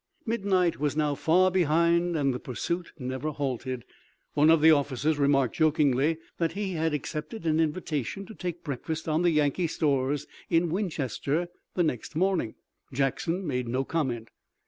Midnight was now far behind and the pursuit never halted. One of the officers remarked jokingly that he had accepted an invitation to take breakfast on the Yankee stores in Winchester the next morning. Jackson made no comment.